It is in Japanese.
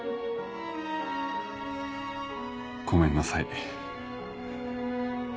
ごめんなさい。